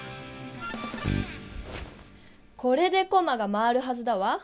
これでコマが回るはずだわ！